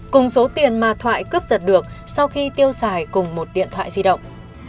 cùng số tiền mà thoại cướp giật được sau khi tiêu xài cùng một điện thoại di động